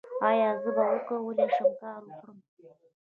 ایا زه به وکولی شم کار وکړم؟